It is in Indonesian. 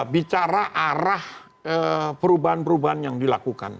bicara arah perubahan perubahan yang dilakukan